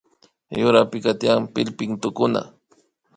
Yurapika tiyan pillpintukuna